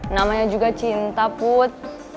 namanya juga cinta put